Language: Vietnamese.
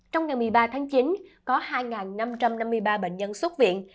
trong ngày một mươi ba tháng chín có hai năm trăm năm mươi ba bệnh nhân xuất viện